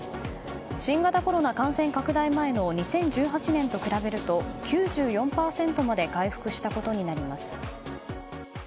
新型コロナ感染拡大前の２０１８年と比べると９４％まで回復したことになります。